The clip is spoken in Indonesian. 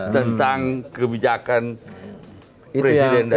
tentang kebijakan presiden dan bisa